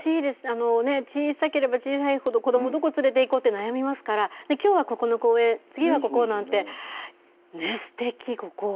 小さければ小さいほど子どもどこ連れていこうと悩みますからきょうはここの公園、次はここなんて素敵、ここは。